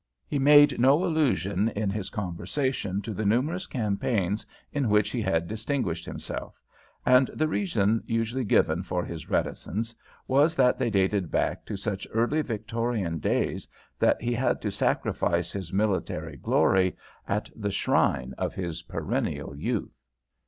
He made no allusion in his conversation to the numerous campaigns in which he had distinguished himself, and the reason usually given for his reticence was that they dated back to such early Victorian days that he had to sacrifice his military glory at the shrine of his perennial youth.